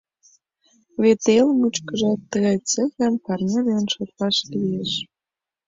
Вет эл мучкыжат тыгай цехым парня дене шотлаш лиеш.